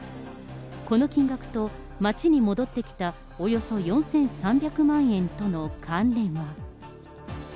この金額と町に戻ってきたおよそ４３００万円との関連は。